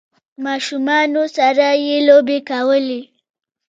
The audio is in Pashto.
ماشومانو سره یی لوبې کولې